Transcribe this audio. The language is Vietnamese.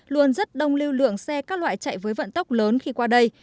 luôn rất đông lưu lượng xe các loại chạy với vận tốc lớn khi qua đây